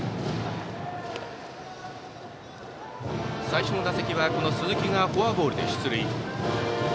最初の打席は、この鈴木がフォアボールで出塁。